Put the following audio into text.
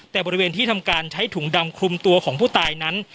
แต่บริเวณที่ทำการใช้ถุงดำคลุมตัวของผู้ตายนั้น